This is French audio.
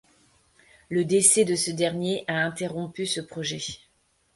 Le décès de ce dernier a interrompu ce projet.